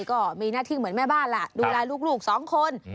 ก็มีหน้าที่เหมือนแม่บ้านล่ะดูแลลูกสองคน